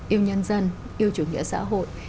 yêu nhân dân yêu chủ nghĩa xã hội